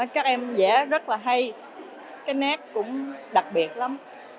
các em vẽ rất là hay cái nét cũng đặc biệt lắm